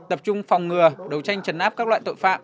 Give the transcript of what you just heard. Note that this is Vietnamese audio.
tập trung phòng ngừa đấu tranh chấn áp các loại tội phạm